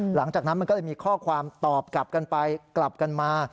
หลังจากนั้นก็เลยมีข้อความตอบกลับกันมา